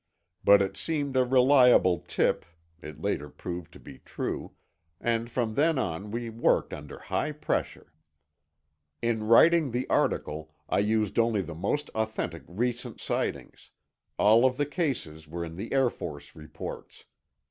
But it seemed a reliable tip (it later proved to be true), and from then on we worked under high pressure. In writing the article, I used only the most authentic recent sightings; all of the cases were in the Air Force reports.